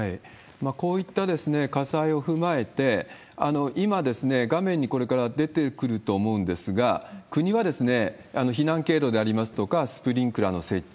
こういった火災を踏まえて、今、画面にこれから出てくると思うんですが、国は避難経路でありますとか、スプリンクラーの設置。